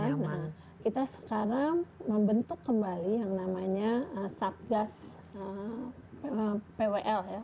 nah kita sekarang membentuk kembali yang namanya satgas pwl ya